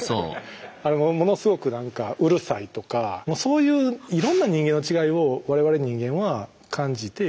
ものすごくなんかうるさいとかそういういろんな人間の違いを我々人間は感じてそれに対応してる。